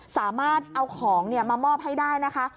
สามารถเอาของมามอบให้ได้นะคะ